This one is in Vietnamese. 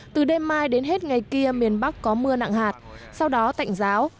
từ đêm mai đến hết ngày kia miền bắc có mưa nặng hạt sau đó tạnh giáo